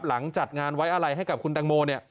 หลังจัดงานไว้อะไรให้กับคุณตังโม